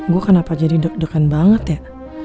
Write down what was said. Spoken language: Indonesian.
gue kenapa jadi deg degan banget ya